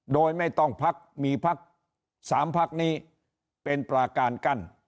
โดยไม่ต้องพักมีพัก๓พักนี้เป็นปลาการกั้น